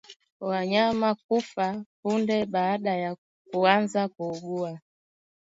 Wanyama kufa punde baada ya kuanza kuugua